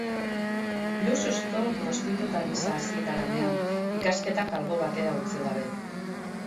Luxuzko prostituta gisa hasi da lanean, ikasketak albo batera utzi gabe.